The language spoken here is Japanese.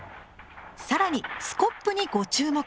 更にスコップにご注目。